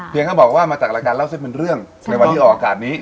เขาบอกว่ามาจากรายการเล่าเส้นเป็นเรื่องในวันที่ออกอากาศนี้